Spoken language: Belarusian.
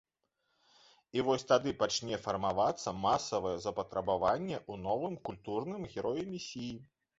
І вось тады пачне фармавацца масавае запатрабаванне ў новым культурным героі-месіі.